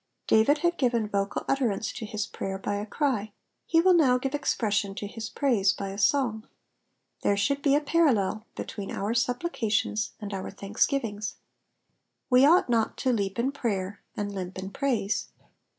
David had given vocal utterance to his prayer by a cry ; he will now give ex pression to his praise by a song : there should be a parallel between our supplications and our thanksgivings. We ought not to leap in prayer, and limp in praise.